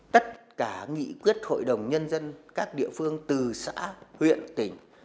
tất cả nghị quyết hội đồng nhân dân các địa phương từ xã huyện tỉnh